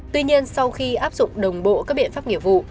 tuy nhiên sau khi áp dụng đồng bộ các biện pháp nghiệp vụ